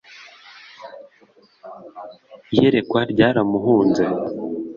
Iyerekwa ryaramuhunze